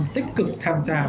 tích cực tham gia